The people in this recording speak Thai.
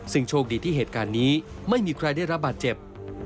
ซึ่งโชคดีที่เหตุการณ์นี้ไม่มีใครได้รับบาดเจ็บ